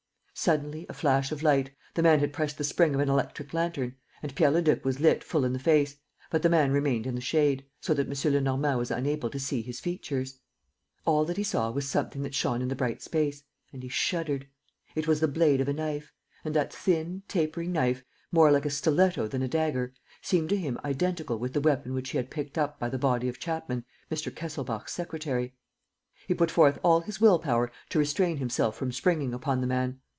Suddenly, a flash of light. ... The man had pressed the spring of an electric lantern; and Pierre Leduc was lit full in the face, but the man remained in the shade, so that M. Lenormand was unable to see his features. All that he saw was something that shone in the bright space; and he shuddered. It was the blade of a knife; and that thin, tapering knife, more like a stiletto than a dagger, seemed to him identical with the weapon which he had picked up by the body of Chapman, Mr. Kesselbach's secretary. He put forth all his will power to restrain himself from springing upon the man.